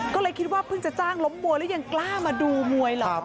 ก็เลยคิดว่าเพิ่งจะจ้างล้มมวยแล้วยังกล้ามาดูมวยเหรอ